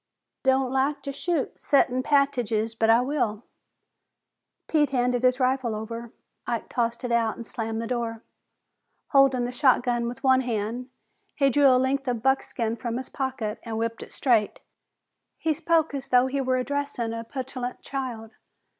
"Don't like to shoot settin' pat'tidges, but I will." Pete handed his rifle over. Ike tossed it out and slammed the door. Holding the shotgun with one hand, he drew a length of buckskin from his pocket and whipped it straight. He spoke as though he were addressing a petulant child.